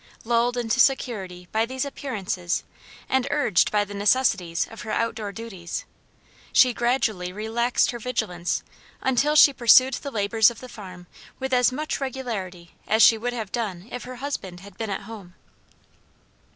Lulled into security by these appearances and urged by the necessities of her out door duties, she gradually relaxed her vigilance until she pursued the labors of the farm with as much regularity as she would have done if her husband had been at home.